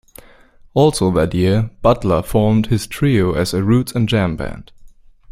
Also that year Butler formed his trio as a roots and jam band.